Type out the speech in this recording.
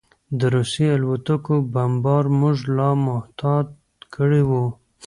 د روسي الوتکو بمبار موږ لا محتاط کړي وو